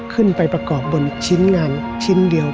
ขึ้นไปประกอบบนชิ้นงานชิ้นเดียว